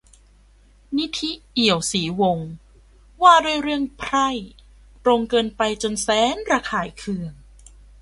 นิธิ เอียวศรีวงศ์ : ว่าด้วย เรื่อง "ไพร่" ตรงเกินไปจนแสนระคายเคือง